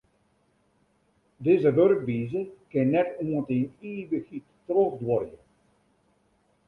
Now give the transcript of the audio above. Dizze wurkwize kin net oant yn ivichheid trochduorje.